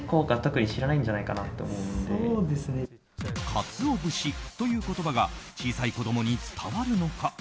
カツオ節という言葉が小さい子供に伝わるのか。